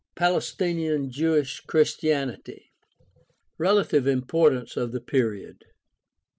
PALESTINIAN JEWISH CHRISTIANITY Relative importance of tlie period.